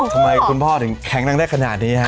ทำไมคุณพ่อถึงแข็งนั่งได้ขนาดนี้